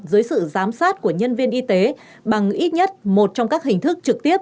dưới sự giám sát của nhân viên y tế bằng ít nhất một trong các hình thức trực tiếp